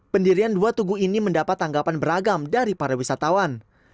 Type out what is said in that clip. pendirian dua tugu ini mendapat tanggapan beragam dari para wisatawan